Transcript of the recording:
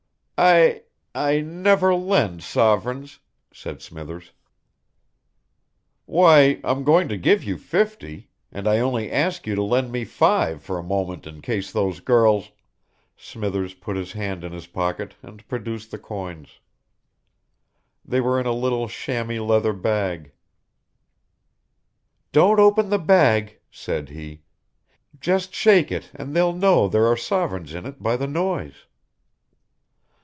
"I I never lend sovereigns," said Smithers. "Why, I'm going to give you fifty and I only ask you to lend me five for a moment in case those girls " Smithers put his hand in his pocket and produced the coins; they were in a little chamois leather bag. "Don't open the bag," said he, "just shake it and they'll know there are sovereigns in it by the noise."